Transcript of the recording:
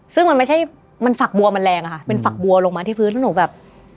ซึ่งมันไม่ใช่มันฝักบัวมันแรงอะค่ะเป็นฝักบัวลงมาที่พื้นแล้วหนูแบบ